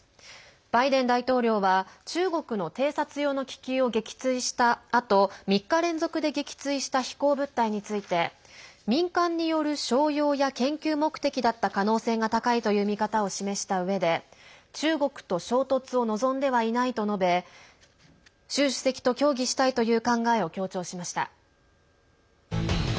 バイデン大統領は中国の偵察用の気球を撃墜したあと３日連続で撃墜した飛行物体について民間による商用や研究目的だった可能性が高いという見方を示したうえで中国と衝突を望んではいないと述べ習主席と協議したいという考えを強調しました。